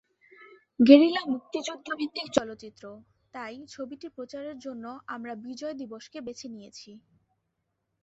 Guerrilla মুক্তিযুদ্ধভিত্তিক চলচ্চিত্র, তাই ছবিটি প্রচারের জন্য আমরা বিজয় দিবসকে বেছে নিয়েছি।